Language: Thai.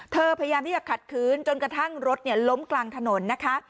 พยายามที่จะขัดคืนจนกระทั่งรถล้มกลางถนนนะคะ